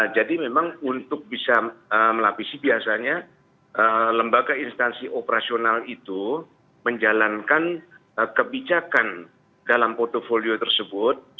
jadi memang untuk bisa melapisi biasanya lembaga instansi operasional itu menjalankan kebijakan dalam portfolio tersebut